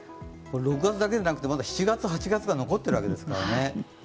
６月だけでなくてまだ７月８月が残ってるわけですからね。